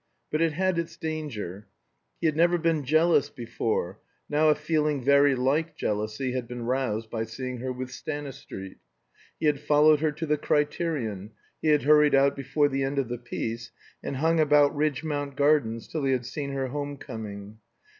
But it had its danger. He had never been jealous before; now a feeling very like jealousy had been roused by seeing her with Stanistreet. He had followed her to the "Criterion"; he had hurried out before the end of the piece, and hung about Ridgmount Gardens till he had seen her homecoming.